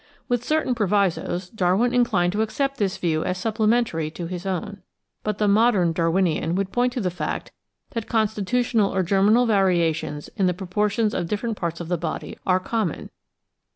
With certain provisos Darwin inclined to accept this view as supplementary to his own. But the modem Darwinian would point to the fact that con stitutional or germinal variations in the proportions of different parts of the body are common.